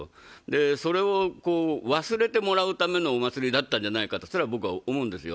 それを忘れてもらうためのお祭りだったんじゃないかとすら思うんですよ。